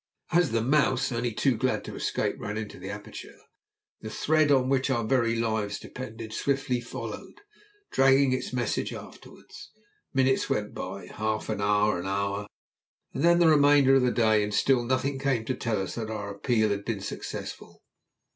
As the mouse, only too glad to escape, ran into the aperture, the thread, on which our very lives depended, swiftly followed, dragging its message after it. Minutes went by; half an hour; an hour; and then the remainder of the day; and still nothing came to tell us that our appeal had been successful.